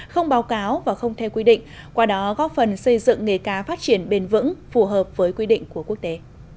không báo cáo và không theo quy định qua đó góp phần xây dựng nghề cá phát triển bền vững phù hợp với quy định của quốc tế